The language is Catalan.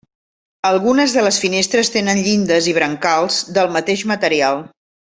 Algunes de les finestres tenen llindes i brancals del mateix material.